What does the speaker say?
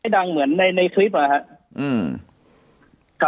ไม่ดังเหมือนในคลิปหรอครับ